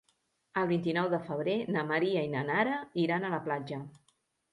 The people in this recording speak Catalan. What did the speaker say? El vint-i-nou de febrer na Maria i na Nara iran a la platja.